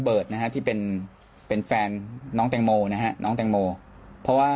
นะฮะที่เป็นเป็นแฟนน้องแตงโมนะฮะน้องแตงโมเพราะว่า